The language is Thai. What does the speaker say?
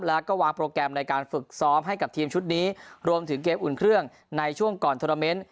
แล้วก็วางโปรแกรมในการฝึกซ้อมให้กับทีมชุดนี้รวมถึงเกมอุ่นเครื่องในช่วงก่อนโทรเมนต์